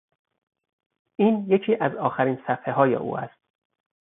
این یکی از آخرین صفحههای او است.